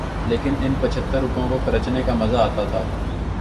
لیکن ان پچھتر روپوں کو خرچنے کا مزہ آتا تھا۔